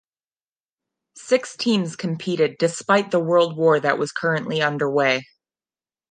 Six teams competed despite the World War that was currently under way.